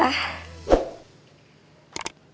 wah tin ini